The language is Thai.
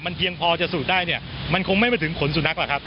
เพียงพอจะสูดได้เนี่ยมันคงไม่ไปถึงขนสุนัขหรอกครับ